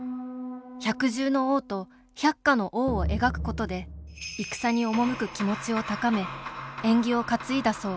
百獣の王と百花の王を描くことで戦に赴く気持ちを高め縁起を担いだそう